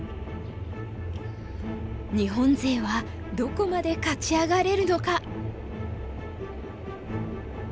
日本勢はどこまで勝ち上がれるのか。